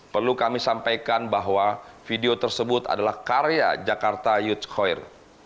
perlu kami sampaikan bahwa video tersebut adalah karya jakarta youth choir